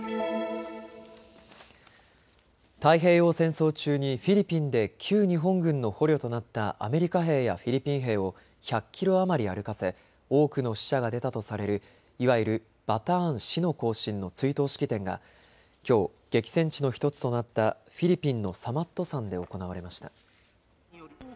太平洋戦争中にフィリピンで旧日本軍の捕虜となったアメリカ兵やフィリピン兵を１００キロ余り歩かせ多くの死者が出たとされるいわゆるバターン死の行進の追悼式典がきょう激戦地の１つとなったフィリピンのサマット山で行われました。